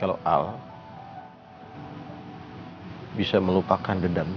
untuk penjualan damaku